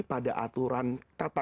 pada aturan kata kata